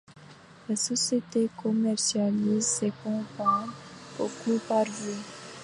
La société commercialise ses campagnes au Coût par Vue.